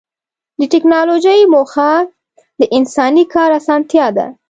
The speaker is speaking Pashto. د ټکنالوجۍ موخه د انساني کار اسانتیا ده.